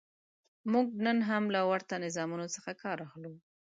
موږ نن هم له ورته نظامونو څخه کار اخلو.